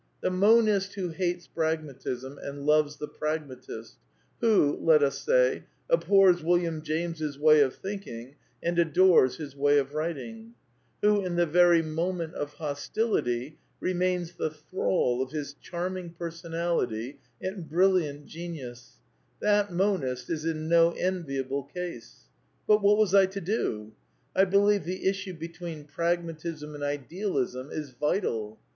The monist who hates Pragmatism and loves the pragmatist; who, let us say, abhors William James's way of thinking and adores his way of writing; who, in the very moment of hostility, remains the thrall of his charming person ality and brilliant genius, that monist is in no enviable case. But what was I to do ? I believe the issue between Pragmatism and Idealism is vital.